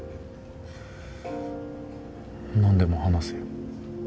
何でも話せよ。